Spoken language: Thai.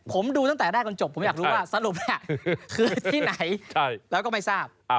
ผมดูตั้งแต่แรกจนจบผมอยากรู้ว่าสรุปคือที่ไหนแล้วก็ไม่ทราบ